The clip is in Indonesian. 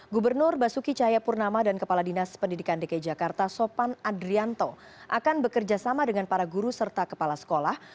gubernur basuki cahayapurnama dan kepala dinas pendidikan dki jakarta sopan adrianto akan bekerjasama dengan para guru serta kepala sekolah